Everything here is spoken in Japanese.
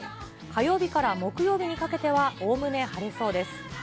火曜日から木曜日にかけては、おおむね晴れそうです。